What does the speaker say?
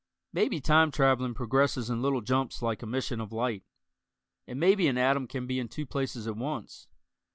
Maybe time traveling progresses in little jumps like emission of light. And maybe an atom can be in two places at once.